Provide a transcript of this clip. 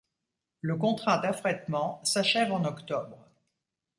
Le contrat d'affrètement s'achève en octobre.